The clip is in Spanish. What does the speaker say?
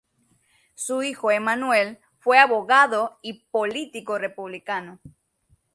Su hijo Emmanuel fue abogado y político republicano.